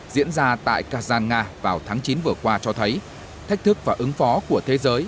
diễn ra tại kazan nga vào tháng chín vừa qua cho thấy thách thức và ứng phó của thế giới